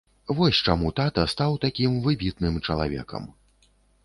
Вось чаму тата стаў такім выбітным чалавекам.